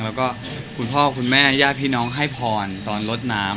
แล้วก็คุณพ่อคุณแม่ญาติพี่น้องให้พรตอนลดน้ำ